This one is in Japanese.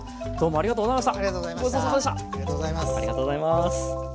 ありがとうございます。